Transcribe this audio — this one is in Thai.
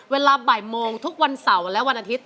เวลาบ่ายโมงทุกวันเสาร์และวันอาทิตย